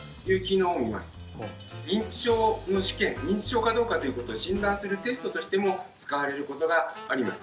認知症の試験認知症かどうかということを診断するテストとしても使われることがあります。